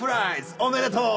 おめでとう！